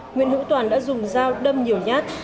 nguyễn hữu toàn đã dùng dao đâm nhiều nhát